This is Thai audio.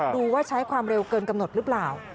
ดูว่าใช้ความเร็วเกินกำหนดหรือเปล่า